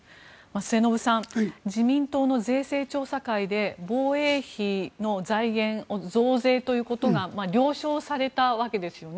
末延さん、自民党の税制調査会で防衛費の財源を増税ということが了承されたわけですよね。